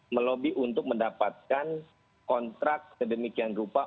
melobi untuk mendapatkan kontrak sedemikian rupa